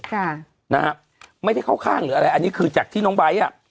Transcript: ค่ะนะฮะไม่ได้เข้าข้างหรืออะไรอันนี้คือจากที่น้องไบท์อ่ะ